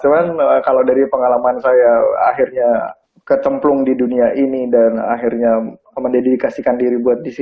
cuma kalo dari pengalaman saya akhirnya kecemplung di dunia ini dan akhirnya mendedikasikan diri buat disini tuh